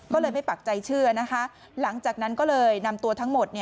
ก็เลยไม่ปักใจเชื่อนะคะหลังจากนั้นก็เลยนำตัวทั้งหมด